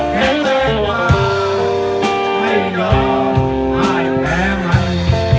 แค่ใจกว่าไม่ยอมหายแม่มัน